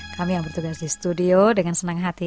kami yang bertugas di studio dengan senang hati